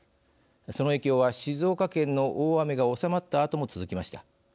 その影響は静岡県の大雨が収まったあとも続きました。